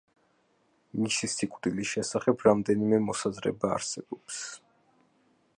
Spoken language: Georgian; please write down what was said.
მისი სიკვდილის შესახებ რამდენიმე მოსაზრება არსებობს.